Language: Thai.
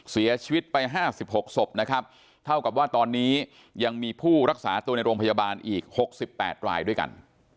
เสียชีวิตไป๕๖ศพนะครับเท่ากับว่าตอนนี้ยังมีผู้รักษาตัวในโรงพยาบาลอีก๖๘รายด้วยกัน